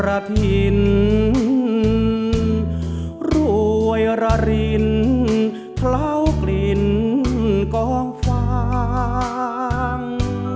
อาทินรวยระรินเข้ากลิ่นกองฟาง